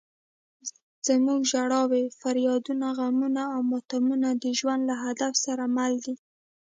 زموږ ژړاوې، فریادونه، غمونه او ماتمونه د ژوند له هدف سره مل دي.